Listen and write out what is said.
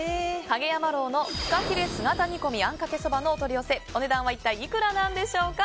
蔭山樓のフカヒレ姿煮込みあんかけそばのお取り寄せお値段は一体いくらなんでしょうか。